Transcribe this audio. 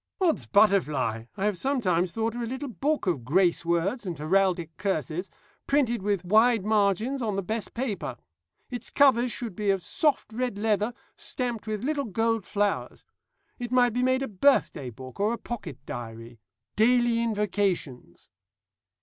'Od's butterfly!' I have sometimes thought of a little book of grace words and heraldic curses, printed with wide margins on the best of paper. Its covers should be of soft red leather, stamped with little gold flowers. It might be made a birthday book, or a pocket diary 'Daily Invocations.'